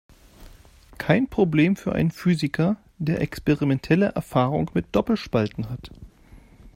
Kein Problem für einen Physiker, der experimentelle Erfahrung mit Doppelspalten hat.